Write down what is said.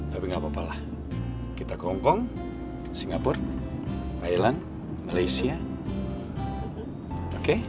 tapi gak apa apalah kita ke hongkong singapura thailand malaysia oke